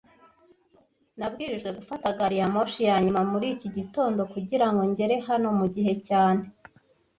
Nabwirijwe gufata gari ya moshi ya nyuma muri iki gitondo kugirango ngere hano mugihe cyane